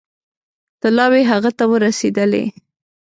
طلاوې هغه ته ورسېدلې.